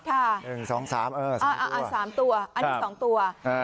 อันนี้สองตัว